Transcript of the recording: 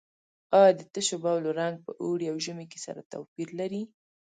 آیا د تشو بولو رنګ په اوړي او ژمي کې سره توپیر لري؟